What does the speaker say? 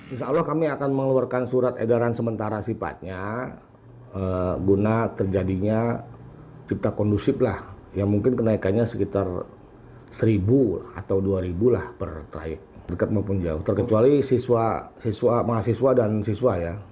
insya allah kami akan mengeluarkan surat edaran sementara sifatnya guna terjadinya cipta kondusif lah yang mungkin kenaikannya sekitar rp satu atau rp dua lah per traik dekat maupun jauh terkecuali mahasiswa dan siswa ya